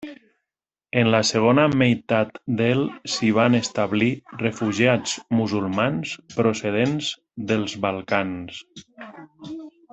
En la segona meitat del s'hi van establir refugiats musulmans procedents dels Balcans.